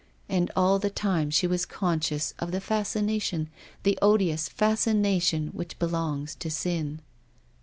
And all the time she was conscious of the fascination, the odious fascination which belongs to sin.